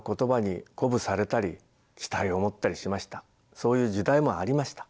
そういう時代もありました。